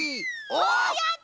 おおやった！